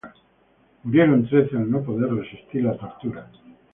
Trece murieron al no poder resistir la tortura.